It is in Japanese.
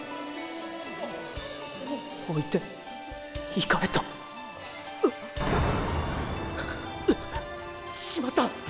置いていかれたう！しまった！